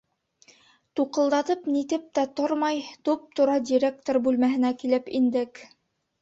Туҡылдатып-нитеп тә тормай, туп-тура директор бүлмәһенә килеп индек.